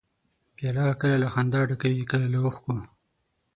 پیاله کله له خندا ډکه وي، کله له اوښکو.